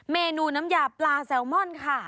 เมนูน้ำยาปลาแซลมอนค่ะ